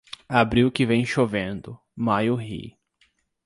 Abril que vem chovendo, maio ri.